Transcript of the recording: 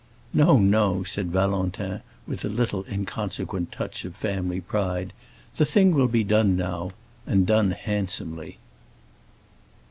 "No, no," said Valentin, with a little inconsequent touch of family pride. "The thing will be done now, and done handsomely."